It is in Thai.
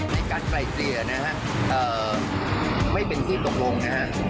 ไกลเกลี่ยนะฮะไม่เป็นที่ตกลงนะฮะ